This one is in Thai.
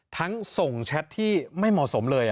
ส่งแชทที่ไม่เหมาะสมเลย